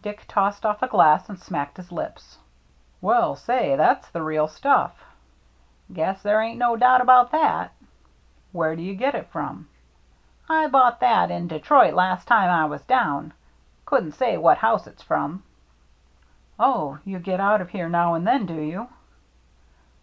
Dick tossed off a glass and smacked his lips. " Well, say, that's the real stuff." " Guess there ain't no doubt about that." " Where do you get it from ?"" I bought that in Detroit last time I was down. Couldn't say what house it's from." " Oh, you get out of here now and then, do you?"